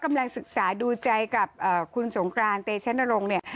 กำลังศึกษาดูใจกับคุณสงกรานเตชนรงค์เนี่ย